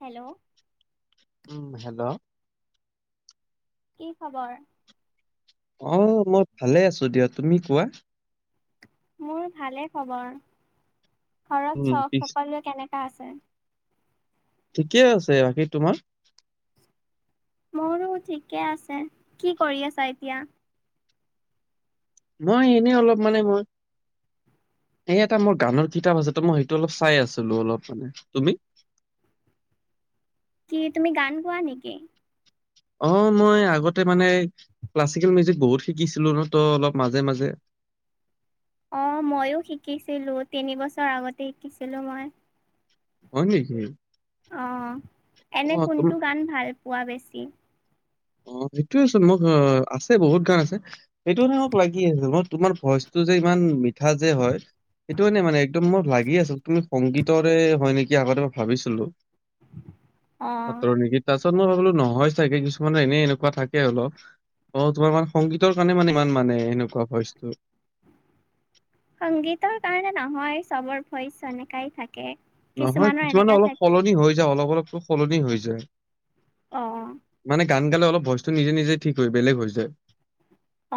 Hello উম hello কি খবৰ অ মই ভালে আছো দিয়া তুমি কোৱা মোৰ ভালে খবৰ ঘৰত উম, চখ পিছ সকলোৱে কেনেকা আছে [unintelligible] ঠিকে আছে বাকী তোমাৰ মোৰ ঠিকে আছে কি কৰি আছা এতিয়া মই এনে অলপ মানে মই এই এটা মোৰ গানৰ কিতাপ আছে তো মই সেইটো অলপ চাই আছিলো অলপ মানে তুমি [unintelligible] কি তুমি গান গোৱা নেকি অ মই আগতে মানে ক্লাছিকেল মিউজিক বহুত শিকিছিলো ন ত অলপ মাজে মাজে [unintelligible] অ মইও শিকিছিলো তিনিবছৰ আগতে শিকিছিলো মই হয় নেকি অ এনে অ', তুম কোনটো গান ভাল পোৱা বেছি অ সেইটোয়ে চোন মোক অ আছে বহুত গান আছে সেইটো মানে মোক লাগি আছে মই তোমাৰ ভইচটো যে ইমান মিঠা যে হয় সেইটোৱে নেমানে একদম মই ভাগি আছো তুমি সংগীতৰে হয় নেকি আগতে ভাবিছিলো [unintelligible] অ' ছাত্ৰ নেকি তাৰ পিছত মই ভাবো নহয় চাগে কি [unintelligible] কিছু মানে এনেই এনেকুৱা থাকে অলপ অ, তোমাৰ মা সংগীতৰ কাৰণে মানে ইমান মানে এনেকুৱা ভইচটো সংগীতৰ কাৰণে নহয়, চবৰ ভইচ এনেকাই থাকে। নহয় কিছুমানৰ কিছুমানে এনেকা অলপ থাকে সলনি হৈ যায়, অলপ- অলপতো সলনি হৈ যায়। অ'হ মানে গান গালে অলপ ভইচটো নিজে-নিজে ঠিক হয়, বেলেগ হৈ যায়।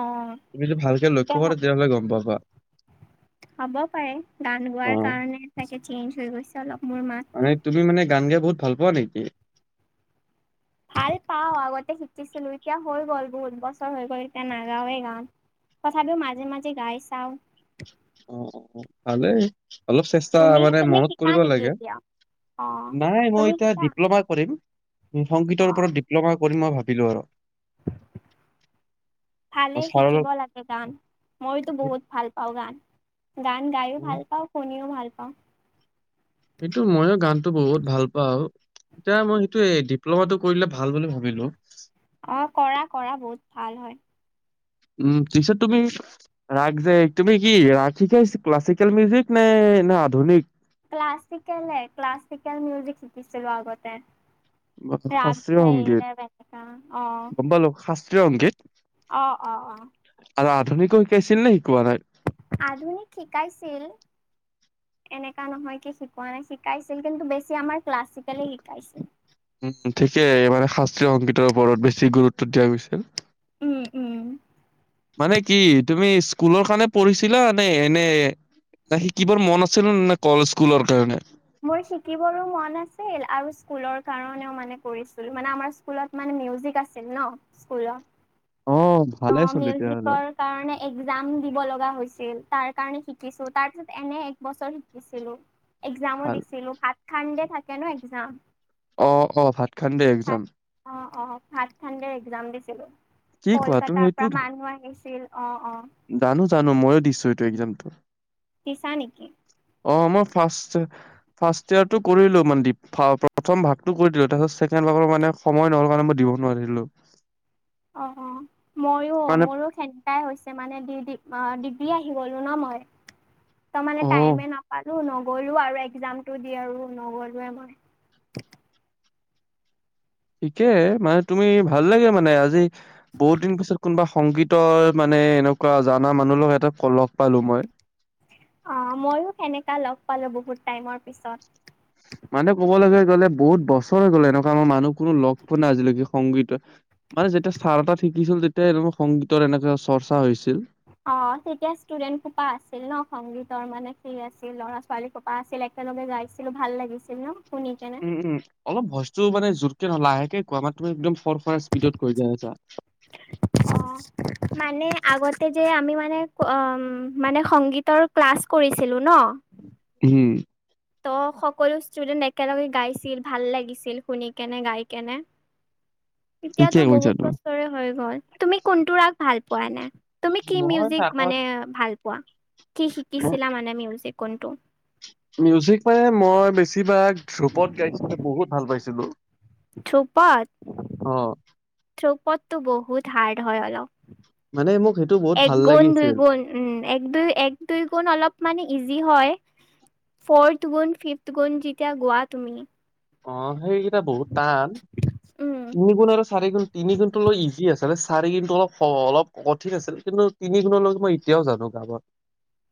অ' তুমি যদি ভালকে লক্ষ্য কৰা, তেতিয়া হ'লে গম পাবা। হ'ব পাৰে, গান গোৱাৰ অ' কাৰণে চাগে চেঞ্জ হৈ গৈছে অলপ। মোৰ মাতটো। মানে তুমি মানে গান গাই বহুত ভাল পোৱা নেকি? ভাল পাওঁ আগতে শিকিছিলো, এতিয়া হৈ গ'ল বহুত বছৰ হৈ গ'ল, এতিয়া নাগাওৱেই গান। তথাপিওঁ মাজে-মাজে গাই চাওঁ। অ-অ, ভালেই অলপ চেষ্টা তুমি মানে তুমি মনত শিকা কৰিব নেকি লাগে। এতিয়া অ। [unintelligible] নাই মই তুমি এতিয়া শিকা ডিপ্ল'মা কৰিম। অ সংগীতৰ ওপৰত ডিপ্ল'মা কৰিম, মই ভাবিলো আৰু [unintelligible] [inaudible] ভালে শিকিব ছাৰৰ লাগে গান, মইতো বহুত ভাল পাওঁ গান। গান গাইয়ো ভাল পাওঁ, শুনিও ভাল পাওঁ। [unintelligible] সেইটো মইয়ো গানটো বহুত ভাল পাওঁ। এতিয়া মই সেইটোৱে, ডিপ্ল'মাটো কৰিলে ভাল বুলি ভাবিলো। অ, কৰা-কৰা বহুত ভাল হয়। উম, পিছত তুমি ৰাগ যে, তুমি কি ৰাগ শিকাইছা নে ক্লাছিকেল মিউজিক নে? নে আধুনিক ক্লাছিকেল-ক্লাছিকেল মিউজিক শিকিছিলো আগতে সেই আগ শাস্ত্ৰীয় সেই সংগীত অ [unintelligible] ত অংকিত অ-অ-অ। আৰু আধুনিকো শিকাইছিল নি? আধুনিক শিকাইছিল। এনেকা নহয় কি শিকোৱা নাই, শিকাইছিল কিন্তু বেছি আমাৰ ক্লাছিকেলে শিকাইছিল। উম, ঠিকেই মানে সাচ ত্ৰিয় সংগীতৰ ওপৰত বেছি গুৰুত্ব দিয়া গৈছিল। উম-উম। মানে কি তুমি স্কুলৰ কাৰণে পঢ়িছিলা নে, এনে না শিকিবৰ মন আছিল না কলেজ স্কুলৰ কাৰণে? মোৰ শিকিবৰো মন আছিল আৰু স্কুলৰ কাৰণেও মানে কৰিছিল, মানে আমাৰ স্কুলত মানে মিউজিক আছিল ন স্কুলত। অ, ভালে চোন তেতিয়াহ'লে মিউজিকৰ কাৰণে একজাম দিব লগা হৈছিল, তাৰ কাৰণে শিকিছো, তাৰপিছত এনে এক বছৰ শিকিছিলো। একজামো ভাল। দিছিলো, সাত খাণ্ডে থাকে ন একজাম। অ-অ, ভাত খাণ্ডে একজাম। অ অ, ভাত খাণ্ডে একজাম দিছিলো। কি খোৱা তুমি এই তা মানুহ আহিছিল অ অ জানো-জানো, মইয়ো দিছো এইটো একজামটো। দিছা নেকি? অ, মই ফাষ্ট-ফাষ্ট ইয়েৰটো কৰিলো মনদীপ, ফাঁ প্ৰথম ভাগটো কৰি দিলো, তাৰপিছত ছেকেণ্ড সেইটো ভাগৰ মানে সময় নহ'ল কাৰণে, মই দিব নোৱাৰিলোঁ। অ-অ, মইয়ো মানে মোৰো সেনেকুৱা হৈছে মানে দি-দি। অ, দিবি আহি গলো ন মই, ত মানে অ টাইমে নাপালো ন গ'লো আৰু একজামটো দি আৰু নগলোৱে মই। ঠিকে, মানে তুমি ভাল লাগে মানে আজি, বহুত দিন পিছত কোনোবা সংগীতৰ মানে নে এনেকুৱা জানা মানুহ লগ এটা ক লগ পালো মই। অ মইয়ো সেনেকা লগ পালো বহুত টাইমৰ পিছত। মানে কবলৈ গলে বহুত বছৰ হৈ গ'লে এনেকুৱা আমাৰ মানুহ কোনো লগ পোৱা নাই আজিলৈকে সংগীত মানে যেতিয়া স্থাৰ এটা শিকিছিল, তেতিয়া এনেকুৱা সংগীতৰ এনেকা চৰ্চা হৈছিল। অ তেতিয়া ষ্টুডেন্টসোপা আছিল ন সংগীতৰ মানে সেই আছিল ল'ৰা -ছোৱালী সোপা আছিল। এক একেলগে গাইছিলো ভাল লাগিছিল ন। শুনি কেনে উম উম অলপ ভইজতটো মানে জোৰকে নহলে লাহেকে কোৱা মাৰ তুম একদম ফৰফাৰ স্পীডত কৰি যা আছা। [unintelligible] অঁ। মানে আগতে যে আমি মানে অ মানে সংগীতৰ ক্লাছ কৰিছিলো ন হুম। ত সকলো ষ্টুডেণ্ট একেলগে গাইছিল ভাল লাগিছিল শুনি কেনে গাই কেনে এতিয়াতো ঠিকে কৈছা বহুত তুমি। বছৰে হৈ গ'ল তুমি কোনটো ৰাগ ভাল পোৱা নে? তুমি কি মই মিউজিক আগত মানে ভাল পোৱা? কি শিকিছিলা মানে মিউজি কোনটো? এই মই বেছিভাগ ধ্ৰোপদ গাইছোতে বহুত ভাল পাইছিলো। ধ্ৰুপদ, অ', ধ্ৰুপদটো বহুত হাৰ্ড হয় মানে মোক সেইটো বহুত অলপ। ভাল একগুণ, দুই লাগিছিল। গুণ, উম এক দুই, এক দুই গুণ অলপ মানে ইজি হয়, ফৰ্থ গুণ, ফিফট গুণ যেতিয়া গোৱা তুমি। অ সেইকেইটা বহুত টান, উম তিনি গুণ আৰু চাৰি গুণ তিনি গুনটো অলপ ইজি আছিলে, চাৰি কিন্তু অলপ অলপ কঠিন আছিলে কিন্তু তিনি গুণলৈকে মই এতিয়াও জানো। যাবত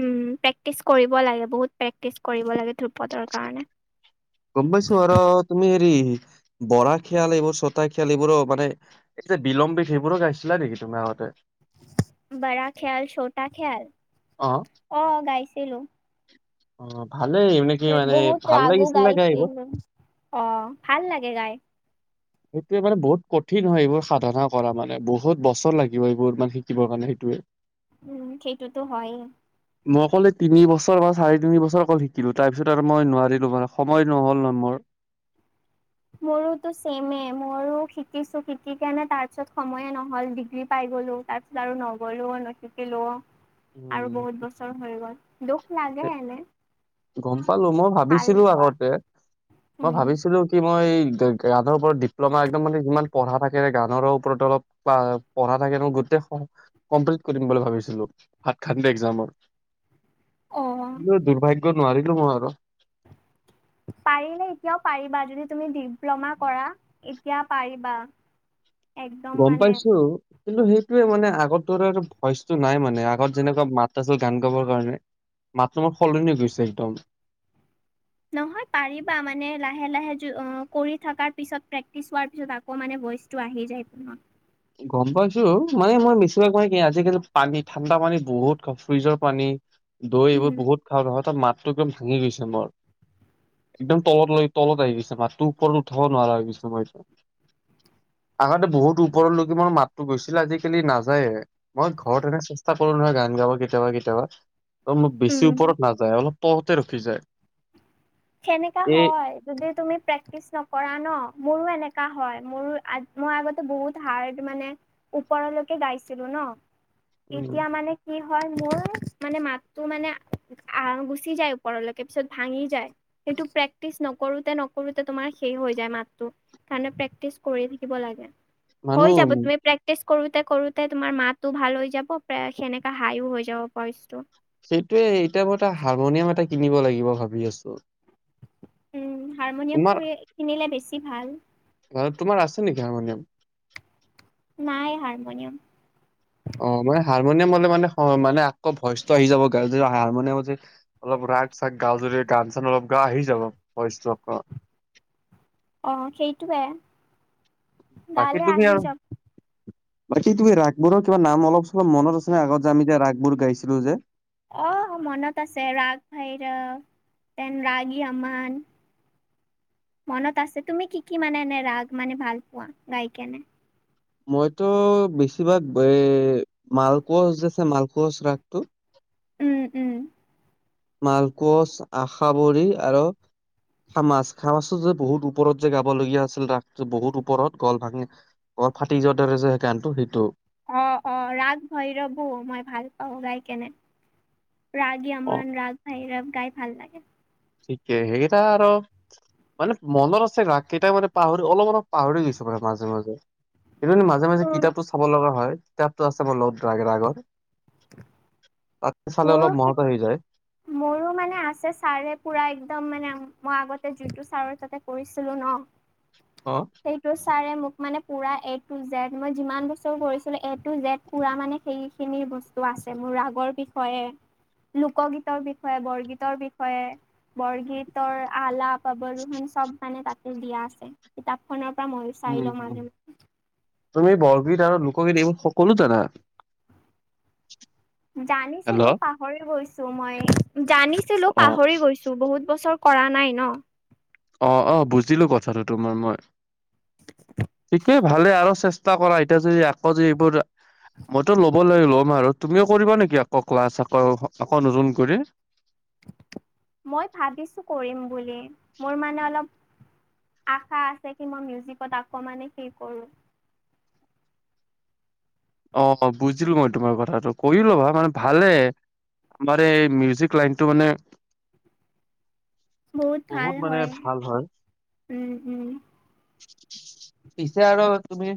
উম, প্ৰেক্টিচ কৰিব লাগে বহুত প্ৰেক্টিচ কৰিব লাগে। ধ্ৰুপদৰ কাৰণে। গম পাইছ আৰু তুমি হেৰি বৰা খিয়াল, এইবোৰ ছটা খিয়াল এইবোৰো মানে এই যে বিলম্বিত সেইবোৰো গাইছিলা নেকি তোমাৰাহঁতে? বৰা শিয়াল ছোটা শিয়াল অ', অ গাইছে লো [unintelligible] অ ভালেই আহিব নেকি মানে বহুত ভাল ৰাগো লাগিছিল নে গাই আহিব। গাইছিলো। অ ভাল লাগে গাই সেইটোৱে মানে বহুত কঠিন হয় এইবোৰ সাধনা কৰা মানে বহুত বছৰ লাগিব এইবোৰ মানে শিকিবৰ কাৰণে সেইটো। উ উ সেইটোতো হয়েই মই অ কলে তিনি বছৰ বা চাৰেি তিনি বছৰ অকল শিকিলো তাৰপিছত আৰু মই নোৱাৰিলো মানে সময় নহ'ল ন মোৰ [unintelligible] [inaudible] মোৰোতো চম মইও শিকিছো শিকি কেনে তাৰ পিছত সময়ে নহল ডিগ্ৰী পাই গলো তাৰ পিছত আৰু নগলো নশিকিলো। আৰু উম বহুত বছৰ হৈ গ'ল দুখ লাগে এনে [unintelligible] গম পালো মই ভাল ভাবিছিলো পোৱা আগতে মই উম, ভাবিছিলো কি মই [unintelligible] গানৰ ওপৰত ডিপ্ল'মা একদম মানে যিমান পঢ়া থাকে গানৰ ওপৰত অলপ প পঢ়া থাকে ন গুট [unintelligible] কমপ্লিট কৰিম বুলি ভাবিছিলো হাত খান্দি একজামত [unintelligible] অ', ক দুৰ্ভাগ্য নোৱাৰিলো মই আৰু পাৰিলে এতিয়াও পাৰিবা যদি তুমি ডিপ্ল'মা কৰা এতিয়া পাৰিবা। [unintelligible] [inaudible] গম মানে পাইছো। কিন্তু সেইটোৱে মানে আগত দৰে ভইচটো নাই মানে আগত যেনেকুৱা মাত আছিল গান গাবৰ কাৰণে [unintelligible] মাতটো মোৰ সলনি হৈ গৈছে একদম নহয় পাৰিবা মানে লাহে লাহে অ কৰি থ পিছত প্ৰেক্টিচ হোৱাৰ পিছত আকৌ মানে [unintelligible] ভইচ টো আহি যায় প গম পাইছো মানে মই মিছ ম কি আজিকালি পানী ঠাণ্ডা পানী বহুত ফ্ৰিজৰ পানী [unintelligible] দৈ এইবোৰ উম, বহুত খাওঁ। হঠাৎ মাতটো একদম ভাঙি গৈছে মোৰ। একদম তলত লৈ তলত আহি গৈছে মাতটো ওপৰত উঠাব নোৱাৰা হৈ গৈছো মই আগতে বহুতো ওপৰলৈকে মোৰ মাততো গৈছিলে আজিকালি নাযায়ে মই ঘৰত এনে চেষ্টা কৰোঁ নহয় গান গাব কেতিয়াবা কেতিয়াবা ধৰা, অ মো বেছি উম। ওপৰত নাযায় অলপ তলতে ৰখি যায় সেনেকা এই হয় যদি তুমি প্ৰেক্টিচ নকৰা ন মোৰো এনেকা হয় মোৰো আ মই আগতে বহুত হাৰ্ড মানে ওপৰলৈকে গাইছিলো ন উম এতিয়া মানে কি হয় মোৰ মানে মাতটো মানে আহ গুচি যায় ওপৰলৈকে পিছত ভাঙি যায় সেইটো প্ৰেক্টিচ নকৰোতে নকৰোতে তোমাৰ সেই হৈ যায় মাতটো সেইকাৰণে প্ৰেক্টিচ কৰি থাকিব লাগে হৈ যাব মানুহ তুমি প্ৰেক্টিছ কৰোতে কৰোতে তোমাৰ মাতো ভাল হৈ যাব পে সেনেকা হাইও হৈ যাব পইচটো [unintelligible] সেইটোয়ে এতিয়া মই এটা হাৰমনিয়াম এটা কিনিব লাগিব ভাবি আছো উম হাৰমনিয়াম তোমাৰ কৰি এ কিনিলে বেছি ভাল ঘৰত তোমাৰ আছে নেকি হাৰমনিয়াম নাই হাৰমনিয়াম অ মানে হাৰমনিয়াম হলে মানে মানে হ মানে আকৌ ভইচটো আহি যাব হাৰমনিয়াম যে অলপ [unintelligible] ৰাগ চাগ গাও জুৰি গান চান অলপ গা আহি যাব ভইচটো অকমান [unintelligible] অ সেইটোৱে বাকী গালে তুমি আহি আৰু যাব [unintelligible] বাকী তুমি ৰাসবোৰৰ কিবা নাম অলপ চলপ মনত আছে নে আগত যে আমি যে ৰাসবোৰ গাইছিলো যে [unintelligible] অহ মনত আছে ৰাগ ভৈৰৱ দেন ৰাগী আমান [unintelligible] মনত আছে তুমি কি কি মানে এনে ৰাগ মানে ভাল পোৱা গাই কেনে মইটো বেছিভাগ এ মালকোচ যে আছে মালকোচ ৰাগটো উম উম মালকোচ, আশাবৰী আৰু খামাচ খামাচটো যে বহুত ওপৰত যে গাবলগীয়া আছিল ৰাগটো বহুত ওপৰত গল ভাঙি অলপ ফাটি যোৱা থাকে যে সেই গানটো সেইটো অ অ ৰাগ ভৈৰৱো মই ভাল পাওঁ গাই কেনে ৰাগী অ আমন ৰাগ ভৈৰৱ গাই ভাল লাগে ঠিকে সেইকেইটা আৰু মানে মনত আছে ৰাগ কেইটা মানে পাহৰি অলপ অলপ পাহৰি গৈছো মানে মাজে মাজে সেইটো এনে মাজে মাজে উম কিতাপটো চাব লগা হয় কিতাপতো আছে মোৰ লগত ৰাগ ৰাগৰ তাত চালে মোৰো অলপ মনত আহি যায়। মোৰো মানে আছে ছাৰে পুৰা একদম মানে মই আগতে যোনটো ছাৰৰ তাতে কৰিছিলো ন অ সেইটো ছা ছাৰে মোক মানে পুৰা এ টু জেদ মই যিমান বছৰ কৰিছিলোঁ এ টু জেদ পুৰা মানে সেইখিনি বস্তু আছে মোৰ ৰাগৰ বিষয়ে লোকগীত ৰ বিষয়ে বৰগীতৰ বিষয়ে বৰগীতৰ আলাপ আবৰোহোন চব মানে তাত দিয়া আছে। কিতাপ খনৰ তুমি বৰগীত আৰু লোকগীত এইবোৰ সকলো জানা হেল্ল' জানিছিলো পাহৰি গৈছো মই জানিছিলো অ পাহৰি গৈছো বহুত বছৰ কৰা নাই ন অ অ বুজিলো কথাটো তোমাৰ মই ঠিকেই ভালে আৰু চেষ্টা কৰা এতিয়া যদি আকৌ যদি এইবোৰ মইটো ল'ব লাগে ল'ম আৰু তুমিও কৰিবা নেকি আকৌ ক্লাছ আকৌ আকৌ নতুন কৰি মই ভাবিছোঁ কৰিম বুলি মোৰ মানে অলপ আশা আছে কি মই মিউজিকত আকৌ মানে হেৰী কৰোঁ অ বুজিলো মই তোমাৰ কথাটো কৰি লবা মানে ভালে মানে মিউজিক লাইনটো মানে [inaudible] বহুত ভাল মানে হয় ভাল হয়। উম উম পিছে আৰু তুমি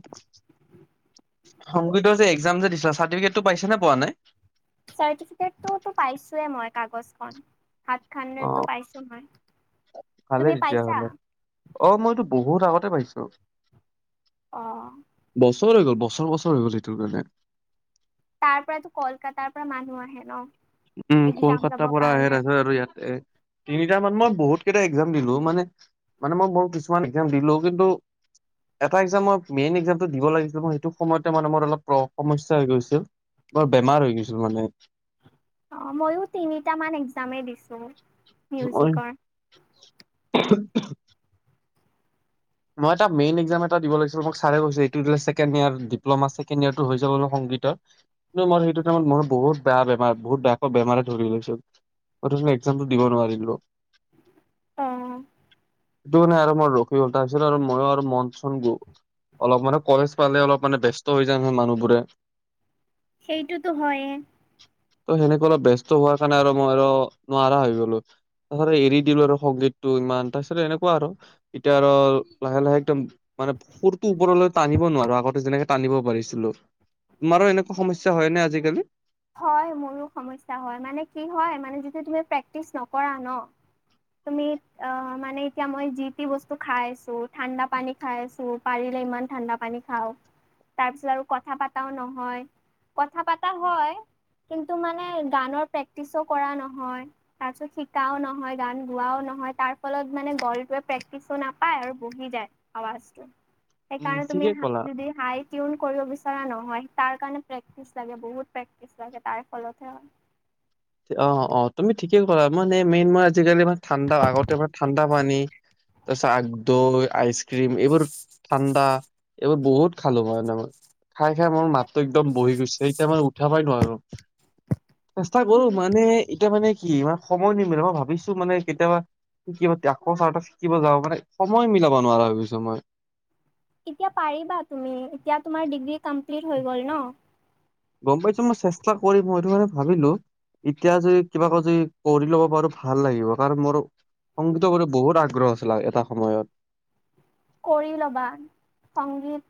সংগীত যে একজাম যে দি চাৰ্টিফিকেটটো পাইছে নে পোৱা নাই চাৰ্টিফিকেট টো টো পাইছোঁয়ে মই কাগজখন। সাতখন অ', মান পাইছো মই, ভালে তুমি পাইছা? তেতিয়াহ'লে অ', মইতো বহুত আগতে পাইছোঁ। আহ বছৰ হৈ গল বছৰ বছৰ হৈ গ'ল সেইটোৰ কাৰণে। তাৰ পৰাতো কলকাতাৰ পৰা মানুহ আহে ন। উম এক্জাম কলকাতাৰ লবৰ পৰা আহে তাৰ কাৰণে। পাচত ইয়াৰ আৰু ইয়াতে তিনিট মান মই বহুত [unintelligible] কেইটা এক্সাজাম দিলো মানে মানে মই ম কিছুমান এক্সাম দিলো কিন্তু এটা একজাম মই মেইন একজামটো দিব লাগিছিল মই সেইটো সময়তে মানে মোৰ অলপ প্ৰ সমস্যা হৈ গৈছিল। বৰ বেমাৰ হৈ গৈছিল মানে। অ ময়ো তিনিটা মান একজামে দিছোঁ। অই, উমহ মই এটা মেইন একজাম এটা দিব লৈছিলো মোক ছাৰে কৈছিলে এইটো ছেকেণ্ড ইয়েৰ ডিপ্লোমা ছেকেণ্ড ইয়েৰটো হৈ যাব ভিতত কিন্তু মই সেইটো টাইমত মোৰ বহুত বেয়া বেমাৰ বহুত বেয়াকৈ বেমাৰে ধৰি লৈছিল। অথচ মই একজামটো দিব নোৱাৰিলোঁ। অ সেইটো মানে আৰু মোৰ ৰ তাৰপিছত আৰু ময়ো আৰু মন চনবোৰ অলপ মানে কলেজ পালে অলপ মানে ব্যস্ত হৈ যায় নহয় মানুহবোৰে। সেইটোতো হয়ে ত সেনেকে অলপ ব্যস্ত হোৱাৰ কাৰণে আৰু মই আৰু নোৱাৰা হৈ গলো। তাৰপিছতে এৰি দিলো আৰু সংগীতটো ইমান তাৰপিছত এনেকুৱা আৰু এতিয়া লাহে লাহে একদম মানে সুৰতটো ওপৰলৈ টানিব নোৱাৰো আগতে যেনেকে টানিব পাৰিছিলোঁ। তোমাৰো এনেকুৱা সমস্যা হয় নে আজিকালি? হয় মোৰো সমস্যা হয় মানে কি হয় মানে যিটো তুমি প্ৰেক্টিচ নকৰা ন। তুমি অ মানে এতিয়া মই যিটি বস্তু খাইছোঁ ঠাণ্ডা পানী খাই আছো পাৰি ইমান ঠাণ্ডা পানী খাওঁ। তাৰ পিছত আৰু কথা পাতাও নহয়, কথা পাতা হয়। কিন্তু মানে গানৰ প্ৰেক্টিচও কৰা নহয় তাৰ পিছত শিকাও নহয় গান গোৱা। নহয় তাৰ ফলত মানে গলটোৱে প্ৰেক্টিচো নাপায় আৰু বহি যায় আৱাজটো। উম, সেইকাৰণে তুমি ঠিকে যদি ক'লা। হাই দিদি হাই কিউন। কৰিব বিচৰা নহয় তাৰ কাৰণ প্ৰেক্টিচ লাগে বহুত প্ৰেক্টিচ। লাগে তাৰ ফলতে হয়। অ অ তুমি ঠিকে কৰা মানে মেইন মই আজিকালি ম ঠাণ্ডা আগতোনে ঠাণ্ডা পানী। তাৰপিছত আগদহ আইচক্ৰিম এইবোৰ ঠাণ্ডা এইবো বহুত খালোঁ মইে মই খাই খাই মোৰ মাতটো একদম বহি গৈছে এতিয়া মানে উঠা পাই নোৱাৰোঁ। বাৰু মানে এতিয়া মানে কি ই সময় নিমিলে মই ভাবিছো মানে কেতিয়াবা শিকিব তাক ছাৰ টাত শিকিব যাওঁ মানে সময় মিলাব নোৱাৰা হৈ গৈছো মই এতিয়া পাৰিবা তুমি এতিয়া তোমাৰ ডিগ্ৰী কমপ্লিট হৈ গল ন। গম পাইছো মই চেষ্টা কৰি মই এইটো কাৰণে ভাবিলোঁ। এতিয়া যদি কিবাকো যদি কৰি ল'ব পাৰো ভাল লাগিব কাৰণ মোৰ। সংগীত প্ৰতি বহুত আগ্ৰহ আছিলে এটা সময়ত। কৰি ল'বা সংগীত।